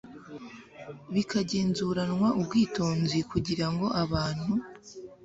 bikagenzuranwa ubwitonzi kugira ngo abantu